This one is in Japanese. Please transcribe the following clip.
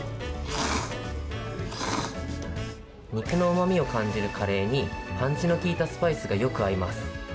肉のうまみを感じるカレーに、パンチの効いたスパイスがよく合います。